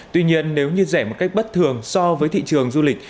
tuy nhiên nếu như rẻ một cách bất thường so với thị trường du lịch